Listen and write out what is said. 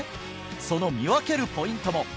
その見分けるポイントも！